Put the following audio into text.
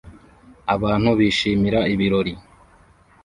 abantu bishimira ibirori